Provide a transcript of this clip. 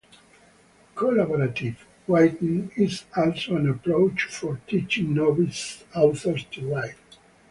Collaborative writing is also an approach for teaching novice authors to write.